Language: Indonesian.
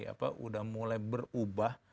apa udah mulai berubah